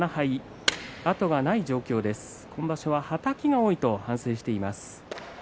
今場所は、はたきが多いと反省していました。